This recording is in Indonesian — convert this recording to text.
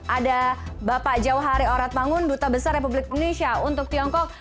ada bapak jauhari orat mangun duta besar republik indonesia untuk tiongkok